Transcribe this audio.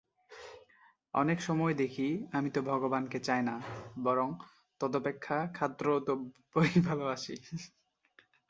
অনেক সময় দেখি, আমি তো ভগবানকে চাই না, বরং তদপেক্ষা খাদ্যদ্রব্যই ভালবাসি।